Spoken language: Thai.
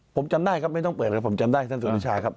ผมจำได้ครับไม่ต้องเปิดเลยผมจำได้ท่านสุนิชาครับ